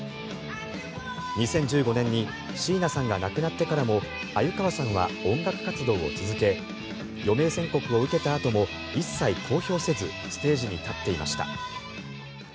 ２０１５年にシーナさんが亡くなってからも鮎川さんは音楽活動を続け余命宣告を受けたあとも一切公表せずステージに立っていました。